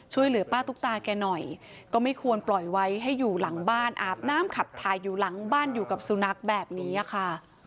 ช่วยเหลือป้าตุ๊กตาแกหน่อยก็ไม่ควรปล่อยไว้ให้อยู่หลังบ้านอาบน้ำขับถ่ายอยู่หลังบ้านอยู่กับสุนัขแบบนี้ค่ะ